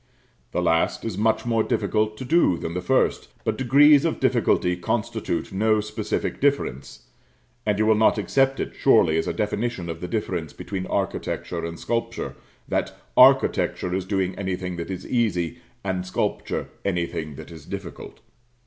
The last is much more difficult to do than the first; but degrees of difficulty constitute no specific difference, and you will not accept it, surely, as a definition of the difference between architecture and sculpture, that "architecture is doing anything that is easy, and sculpture anything that is difficult."